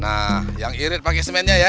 nah yang irit pakai semennya ya